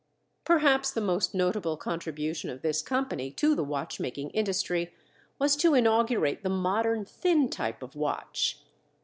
Perhaps the most notable contribution of this company to the watchmaking industry was to inaugurate the modern thin type of watch.